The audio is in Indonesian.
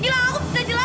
gilang aku bisa jelasin